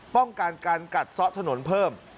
ป้องกันการกัดซ่อถนนเพิ่ม